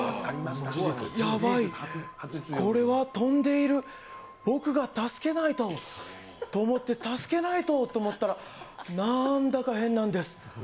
ヤバい、これは飛んでいる、僕が助けないとと思って、助けないとと思ったら、なーんだか変なんです。